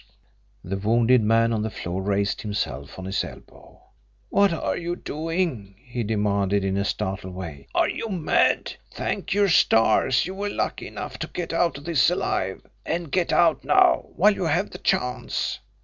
The wounded man on the floor raised himself on his elbow. "What are you doing?" he demanded in a startled way. "Are you mad! Thank your stars you were lucky enough to get out of this alive and get out now, while you have the chance!"